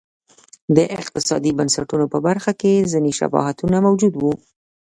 د اقتصادي بنسټونو په برخه کې ځیني شباهتونه موجود و.